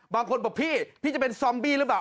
บางคนบอกพี่พี่จะเป็นซอมบี้หรือเปล่า